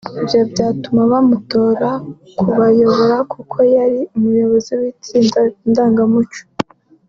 Ibyo byatumaga bamutorera kubayobora kuko yari umuyobozi w’itsinda ndangamuco